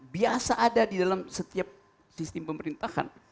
biasa ada di dalam setiap sistem pemerintahan